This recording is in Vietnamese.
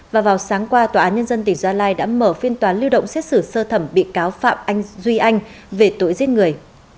và vào sáng qua tòa án nhân dân tỉnh gia lai đã mở phiên tòa lưu động xét xử sơ thẩm bị cáo phạm anh duy anh về tội giết người